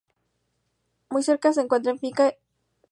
Muy cerca se encuentra la finca y dehesa de Cerro Alto.